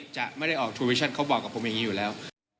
จะไม่ได้ออกทูวิชั่นเขาบอกกับผมอย่างนี้อยู่แล้ว